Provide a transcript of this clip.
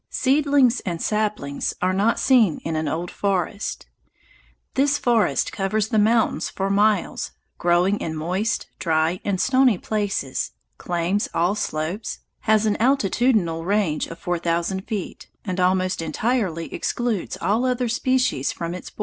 Seedlings and saplings are not seen in an old forest. This forest covers the mountains for miles, growing in moist, dry, and stony places, claims all slopes, has an altitudinal range of four thousand feet, and almost entirely excludes all other species from its borders.